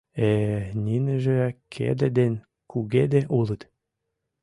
Э-э, ниныже кеде ден кугеде улыт...